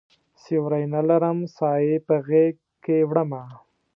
سیوری نه لرم سایې په غیږکې وړمه